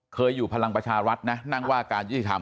เคยอยู่พลังประชารัฐนะนั่งว่าการยุติธรรม